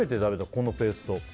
このペースト。